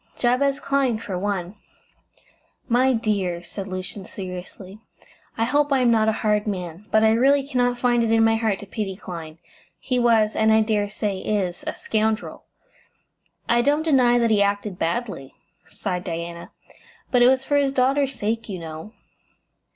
"Jabez Clyne, for one." "My dear," said Lucian, seriously, "I hope I am not a hard man, but I really cannot find it in my heart to pity Clyne. He was and I dare say is a scoundrel!" "I don't deny that he acted badly," sighed Diana, "but it was for his daughter's sake, you know."